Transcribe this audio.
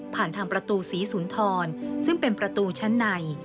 ผ่านทางประตูศรีสุนทรซึ่งเป็นประตูชั้นใน